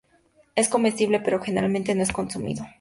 Es comestible, pero, generalmente, no es consumido.